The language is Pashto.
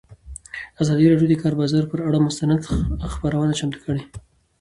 ازادي راډیو د د کار بازار پر اړه مستند خپرونه چمتو کړې.